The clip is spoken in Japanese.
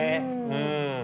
うん。